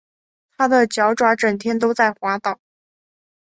他的脚爪整天都在滑倒